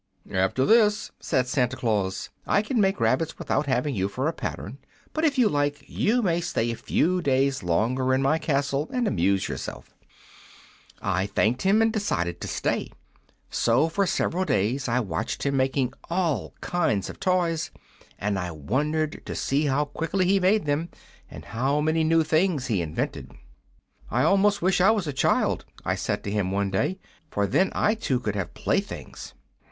"'After this,' said Santa Claus, 'I can make rabbits without having you for a pattern; but if you like you may stay a few days longer in my castle and amuse yourself.' "I thanked him and decided to stay. So for several days I watched him making all kinds of toys, and I wondered to see how quickly he made them, and how many new things he invented. "'I almost wish I was a child,' I said to him one day, 'for then I too could have playthings.'